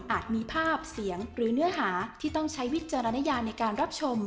มีภาพเสียงหรือเนื้อหาที่ต้องใช้วิจารณญาในการรับชม